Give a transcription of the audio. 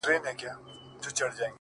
څلوريځه!!